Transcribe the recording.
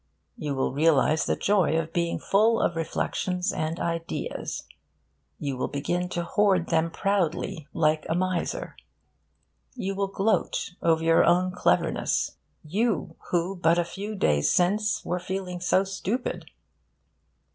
You will realise the joy of being full of reflections and ideas. You will begin to hoard them proudly, like a miser. You will gloat over your own cleverness you, who but a few days since, were feeling so stupid.